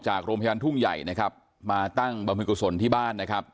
จากโรงพยาบาลทุ่งใหญ่นะครับมาตั้งบรรพิกุศลที่บ้านนะครับ